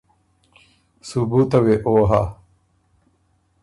ثبوته وې او هۀ